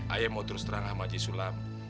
ayah mau terus terang sama haji sulam